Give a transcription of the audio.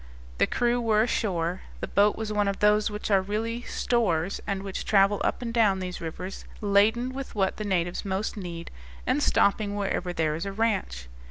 The crew were ashore. The boat was one of those which are really stores, and which travel up and down these rivers, laden with what the natives most need, and stopping wherever there is a ranch.